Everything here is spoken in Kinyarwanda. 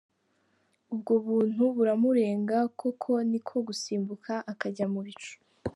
Ubwo buntu buramurenga koko ni ko gusimbuka akajya mu bicu.